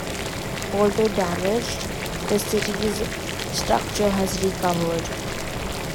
Although damaged, the city's structure has recovered.